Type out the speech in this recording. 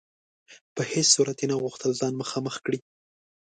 په هیڅ صورت یې نه غوښتل ځان مخامخ کړي.